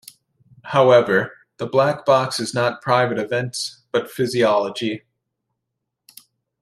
However, the black box is not private events, but physiology.